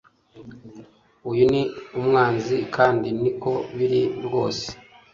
Uyu ni umwanzi kandi niko biri rwose